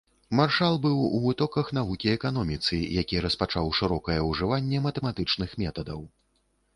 Маршал быў у вытоках навукі эканоміцы, які распачаў шырокае ўжыванне матэматычных метадаў.